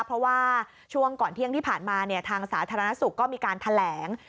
เพราะว่าช่วงก่อนเที่ยงที่ผ่านมาทางสาธารณสุขก็มีการแถลง